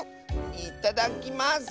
いただきます！